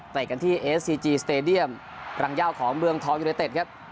กันที่เอสซีจีสเตดียมรังยาวของเมืองทองยูเนเต็ดครับ